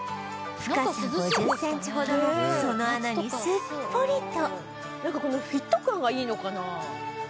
深さ５０センチほどのその穴にすっぽりとなんかこのフィット感がいいのかな？